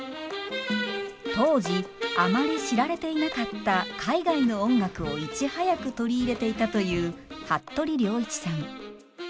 当時あまり知られていなかった海外の音楽をいち早く取り入れていたという服部良一さん。